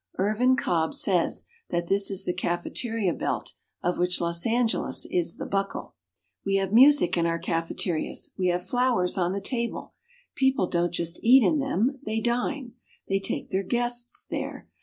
Irvin Cobb says that this is the cafeteria belt of which Los Angeles is the buckle. We have music in our cafeterias. We have flowers on the tables. People don't just eat in them, they dine. They take their guests there.